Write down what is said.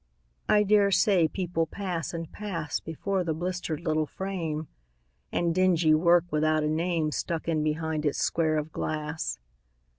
I dare say people pass and pass Before the blistered little frame, And dingy work without a name Stuck in behind its square of glass.